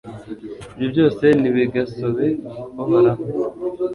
Ibyo byose ntibigasobe Uhoraho